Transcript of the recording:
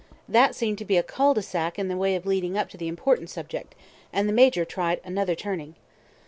That seemed to be a cul de sac in the way of leading up to the important subject, and the Major tried another turning.